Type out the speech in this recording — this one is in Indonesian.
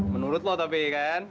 menurut lo tapi kan